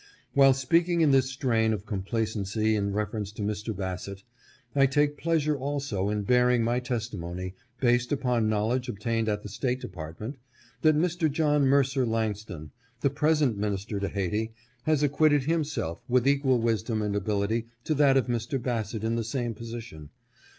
While speaking in this strain of complacency in reference to Mr. Bassett, I take pleasure also in bearing my testimony, based upon knowledge obtained at the State Department, that Mr. John Mercer Langston, the present minister to Hayti, has acquitted himself with equal wisdom and ability to that of Mr. Bas sett in the same position.